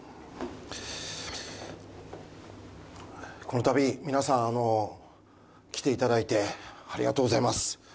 このたび皆さんあの来ていただいてありがとうございます。